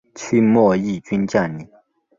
清末毅军将领。